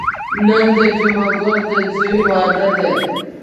نن د جمعه ګل د ځوی واده دی.